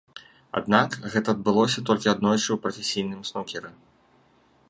Аднак, гэта адбылося толькі аднойчы ў прафесійным снукеры.